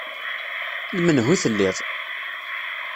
D menhu i telliḍ!